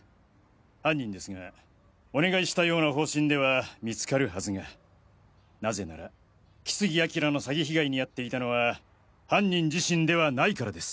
犯人ですがお願いしたような方針では見つかるはずがなぜなら木杉彬の詐欺被害にあっていたのは犯人自身ではないからです。